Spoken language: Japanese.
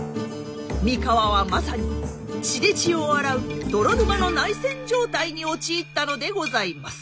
三河はまさに血で血を洗う泥沼の内戦状態に陥ったのでございます。